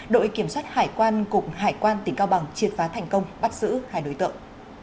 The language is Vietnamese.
đội kiểm soát hải quan cục hải quan tỉnh cao bằng triệt phá thành công bắt giữ hai đối tượng